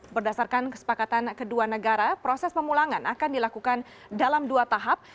berdasarkan kesepakatan kedua negara proses pemulangan akan dilakukan dalam dua tahap